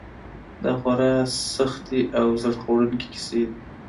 دا خورا سختې او زړه خوړونکې کیسې دي.